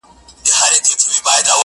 بیا يې چيري پښه وهلې؟ چي قبرونه په نڅا دي